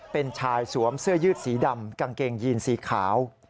เป็นชายสวมเสื้อยืดสีดำกางเกงยีนสีขาว